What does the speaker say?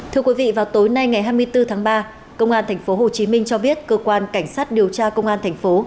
thưa quý vị vào tối nay ngày hai mươi bốn tháng ba công an tp hcm cho biết cơ quan cảnh sát điều tra công an thành phố